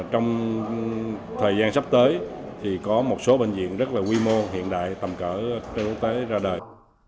trong thời gian sắp tới thì có một số bệnh viện rất là quy mô hiện đại tầm cỡ trên quốc tế ra đời